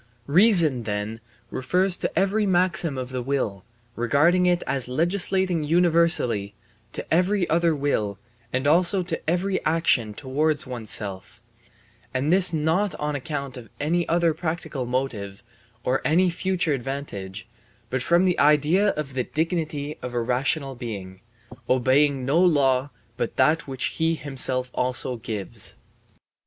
Reason then refers every maxim of the will, regarding it as legislating universally, to every other will and also to every action towards oneself; and this not on account of any other practical motive or any future advantage, but from the idea of the dignity of a rational being, obeying no law but that which he himself also gives.